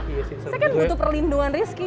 saya kan butuh perlindungan rizky